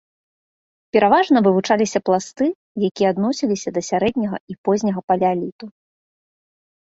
Пераважна вывучаліся пласты, якія адносіліся да сярэдняга і позняга палеаліту.